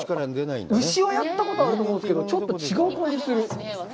牛はやったことあるんですけど、ちょっと違う感じがする。